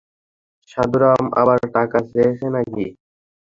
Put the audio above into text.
সাধুরাম আবার টাকা চেয়েছে নাকি?